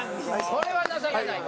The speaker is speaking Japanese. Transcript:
これは情けないわ。